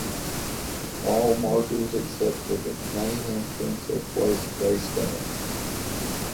All markers except for the Main Entrance are placed facedown.